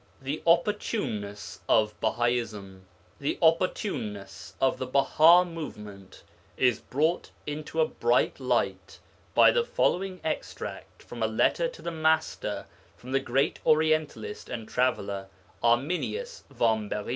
THE OPPORTUNENESS OF BAHAISM The opportuneness of the Baha movement is brought into a bright light by the following extract from a letter to the Master from the great Orientalist and traveller, Arminius Vambéry.